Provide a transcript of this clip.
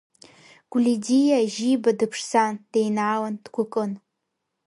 Гәлидиа Жьиба дыԥшӡан, деинаалан, дгәыкын.